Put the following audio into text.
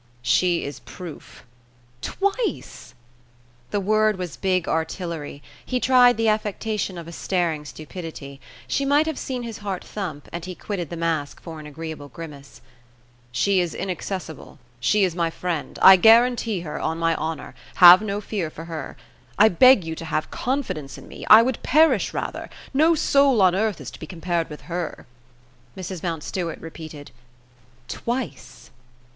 "She is proof." "Twice!" The word was big artillery. He tried the affectation of a staring stupidity. She might have seen his heart thump, and he quitted the mask for an agreeable grimace. "She is inaccessible. She is my friend. I guarantee her, on my honour. Have no fear for her. I beg you to have confidence in me. I would perish rather. No soul on earth is to be compared with her." Mrs. Mountstuart repeated "Twice!"